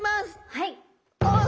はい。